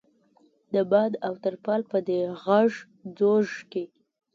د باد او ترپال په دې غږ ځوږ کې.